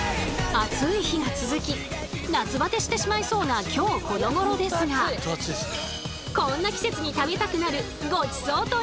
暑い日が続き夏バテしてしまいそうな今日このごろですがこんな季節に食べたくなるごちそうといえば。